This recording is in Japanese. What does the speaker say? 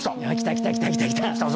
きたきたきたきた。